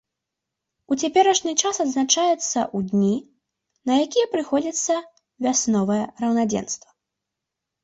У цяперашні час адзначаецца ў дні, на якія прыходзіцца вясновае раўнадзенства.